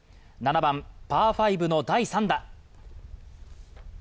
７番、パー５の第３打。